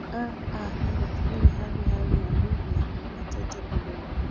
aa mimi nafikiri hadi hali ya libya nitete kidogo